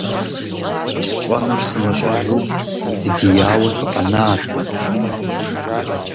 СщӀэнур сымыщӀэжу, сыдияуэ сыкъэнат.